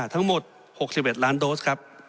ทั้งหมด๖๑ล้านโดสครับ